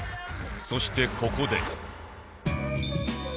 そしてここで